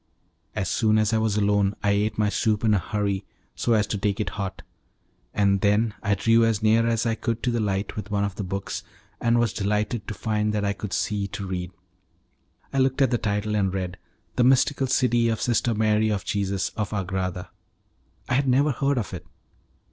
As soon as I was alone I ate my soup in a hurry, so as to take it hot, and then I drew as near as I could to the light with one of the books, and was delighted to find that I could see to read. I looked at the title, and read, "The Mystical City of Sister Mary of Jesus, of Agrada." I had never heard of it.